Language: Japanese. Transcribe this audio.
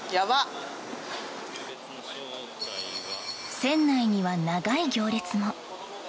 船内には長い行列も。